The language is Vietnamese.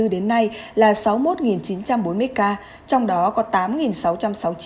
đến nay là sáu mươi một chín trăm bốn mươi ca trong đó có tám sáu trăm sáu mươi ca